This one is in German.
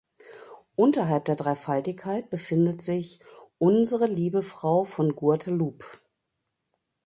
Unterhalb der Dreifaltigkeit befindet sich Unsere Liebe Frau von Guadalupe.